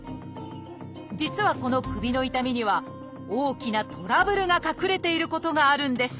実はこの首の痛みには大きなトラブルが隠れていることがあるんです。